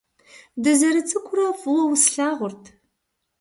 Дызэрыцӏыкӏурэ фӏыуэ услъагъурт.